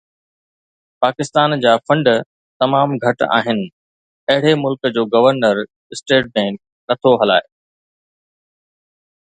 پاڪستان جا فنڊ تمام گهٽ آهن، اهڙي ملڪ جو گورنر اسٽيٽ بئنڪ نٿو هلائي